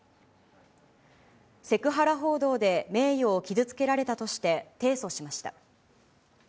セクハラ報道で名誉を傷つけられたとして提訴しました。